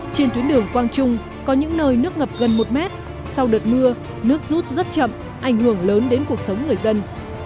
trên tuyến đường quang trung có những nơi nước ngập gần một mét sau đợt mưa nước rút rất chậm ảnh hưởng lớn đến cuộc sống người dân